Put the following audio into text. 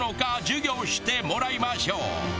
授業してもらいましょう。